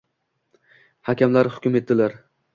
Hakamlar hukm etdilar: